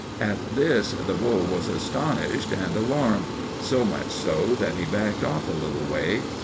"'At this the bull was astonished and alarmed—so much so that he backed off a little way.